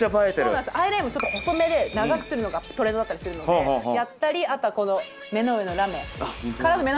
アイラインも細めで長くするのがトレンドだったりするのでやったりあとは目の上のラメからの目の下のラメ。